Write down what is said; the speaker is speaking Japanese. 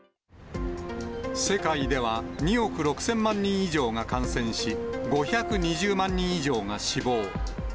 世界では２億６０００万人以上が感染し、５２０万人以上が死亡。